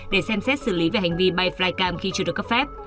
để xem xét xử lý về hành vi bay flycam khi chưa được cấp phép